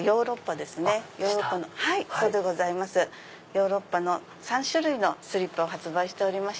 ヨーロッパの３種類のスリッパを発売しておりまして。